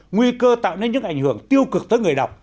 nguy cơ tạo nên những ảnh hưởng tiêu cực tới người đọc